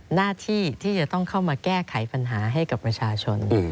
หน้าที่ที่จะต้องเข้ามาแก้ไขปัญหาให้กับประชาชน